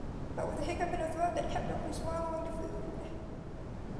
But with a hiccup in her throat that kept her from swallowing the food.